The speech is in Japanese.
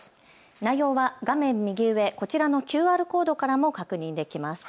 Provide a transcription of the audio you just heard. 内容は画面右上、こちらのＱＲコードからも確認できます。